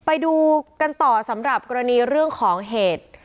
ไปดูกันต่อสำหรับกรณีเรื่องของเหตุ